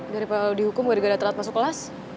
daripada dihukum gara gara telat masuk kelas